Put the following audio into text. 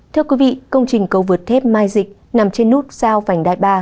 thưa quý vị công trình cầu vượt thép mai dịch nằm trên nút sao phảnh đại ba